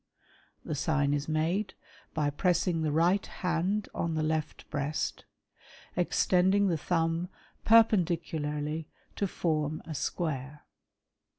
{The sign is made by pressing the right hand on the " left breast^ extending the thumb perpendicularly to form a " square.)